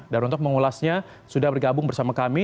dan untuk mengulasnya sudah bergabung bersama kami